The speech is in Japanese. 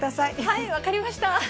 はい分かりました。